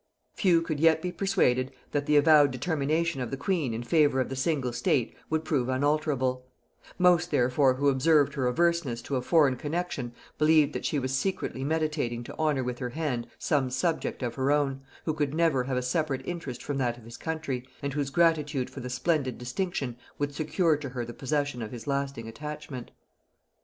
Few could yet be persuaded that the avowed determination of the queen in favor of the single state would prove unalterable: most therefore who observed her averseness to a foreign connexion believed that she was secretly meditating to honor with her hand some subject of her own, who could never have a separate interest from that of his country, and whose gratitude for the splendid distinction would secure to her the possession of his lasting attachment.